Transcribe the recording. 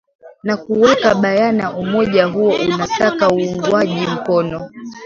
na kuweka bayana umoja huo unasaka uungwaji mkono